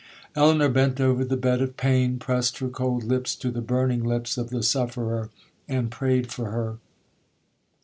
'Elinor bent over the bed of pain—pressed her cold lips to the burning lips of the sufferer—and prayed for her.